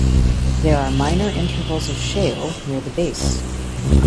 There are minor intervals of shale near the base.